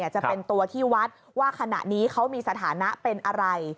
จะเป็นตัวที่วัดว่าขณะนี้เขามีสถานะเป็นอะไร